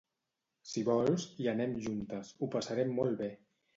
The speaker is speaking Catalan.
si vols, hi anem juntes, ho passarem molt be.